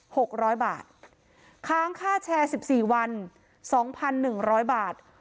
หกร้อยบาทค้างค่าแชร์สิบสี่วันสองพันหนึ่งร้อยบาท